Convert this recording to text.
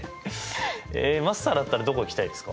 マスターだったらどこ行きたいですか？